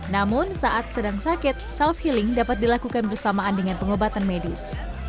namun saat sedang sakit self healing dapat dilakukan bersamaan dengan pengobatan medis